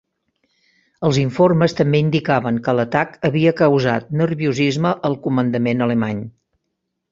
Els informes també indicaven que l'atac havia causat nerviosisme al comandament alemany.